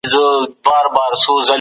که حضوري حضور وي د ټولګي نظم ساتل کيږي.